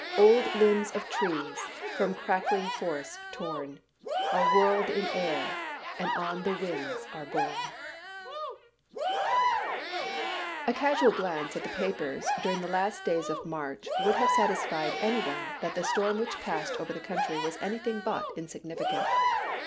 Old limbs of trees, from crackling forests torn, Are whirled in air, and on the winds are borne." A casual glance at the papers during the last days of March would have satisfied any one that the storm which passed over the country was anything but insignificant.